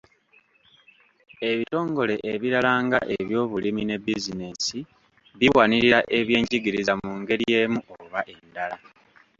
Ebitongole ebirala nga eky'ebyobulimi ne bizinensi biwanirira ebyenjigiriza mu ngeri emu oba endala.